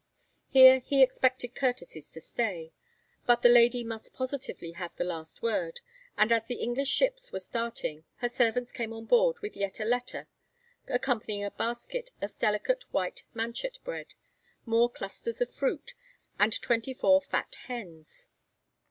Here he expected courtesies to stay, but the lady must positively have the last word, and as the English ships were starting her servants came on board with yet a letter, accompanying a basket of delicate white manchett bread, more clusters of fruits, and twenty four fat hens.